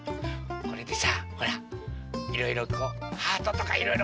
これでさほらいろいろとハートとかいろいろかいてみて！